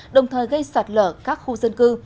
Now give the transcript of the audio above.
đồng thời gây sạt lở các khu dân cư